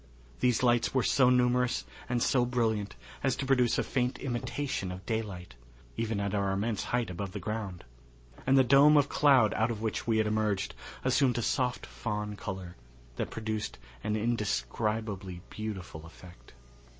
These lights were so numerous and so brilliant as to produce a faint imitation of daylight, even at our immense height above the ground, and the dome of cloud out of which we had emerged assumed a soft fawn color that produced an indescribably beautiful effect.